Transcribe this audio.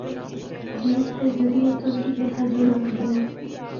جیپ دے ذریعے تُسیں اُتھا جُل ہکدے او۔